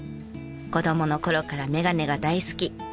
子どもの頃から眼鏡が大好き。